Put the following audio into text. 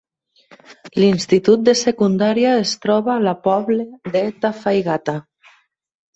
L'institut de secundària es troba la poble de Tafaigata.